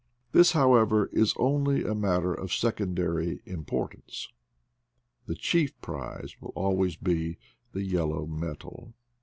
This, however, is only a matter of secondary im portance ; the chief prize will always be the yellow 1 metal.